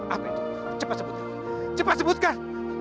apa itu cepat sebutnya cepat sebutkan